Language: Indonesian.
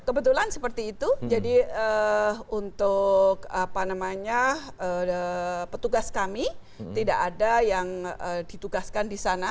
kebetulan seperti itu jadi untuk petugas kami tidak ada yang ditugaskan di sana